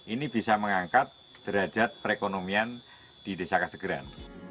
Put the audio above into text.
ini bisa mengangkat derajat perekonomian di desa kasegeran